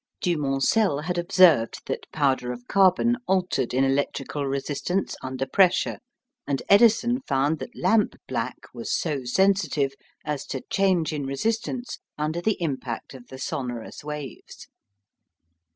Du Moncel had observed that powder of carbon altered in electrical resistance under pressure, and Edison found that lamp black was so sensitive as to change in resistance under the impact of the sonorous waves.